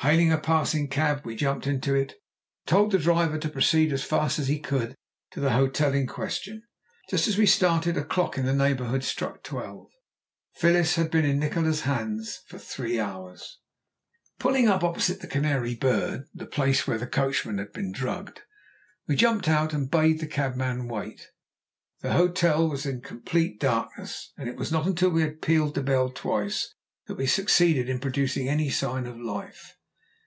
Hailing a passing cab we jumped into it and told the driver to proceed as fast as he could to the hotel in question. Just as we started a clock in the neighbourhood struck twelve. Phyllis had been in Nikola's hands three hours. Pulling up opposite the Canary Bird (the place where the coachman had been drugged), we jumped out and bade the cabman wait. The hotel was in complete darkness, and it was not until we had pealed the bell twice that we succeeded in producing any sign of life.